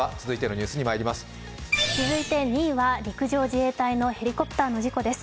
続いて２位は陸上自衛隊のヘリコプターの事故です。